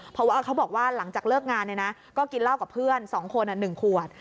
เพราะว่าเขาบอกว่าหลังจากเลิกงานก็กินเหล้ากับเพื่อน๒คน๑ขวด